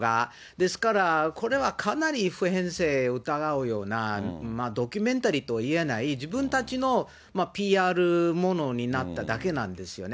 ですから、これはかなり普遍性疑うような、ドキュメンタリーといえない、自分たちのＰＲものになっただけなんですよね。